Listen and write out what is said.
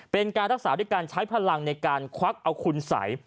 เป็นการรักษาด้วยการใช้พลังในการควักเอาคุณสัย